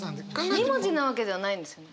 ２文字なわけじゃないんですよね？